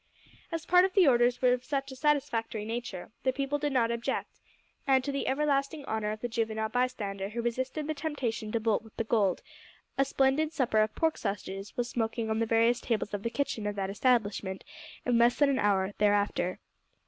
As part of the orders were of such a satisfactory nature, the people did not object, and, to the everlasting honour of the juvenile bystander who resisted the temptation to bolt with the gold, a splendid supper of pork sausages was smoking on the various tables of the kitchen of that establishment in less than an hour thereafter.